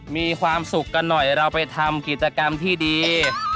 มีความสุขกันหน่อยเราไปทำกิจกรรมที่ดี